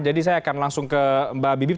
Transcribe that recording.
jadi saya akan langsung ke mbak bibip